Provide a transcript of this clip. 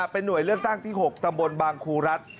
เป็นหน่วยเลือกตั้งที่๖ตำบลบางครูรัฐ